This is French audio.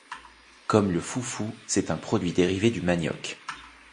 Comme le foufou, c'est un produit dérivé du manioc.